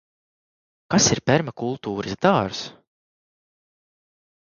Kas ir permakultūras dārzs?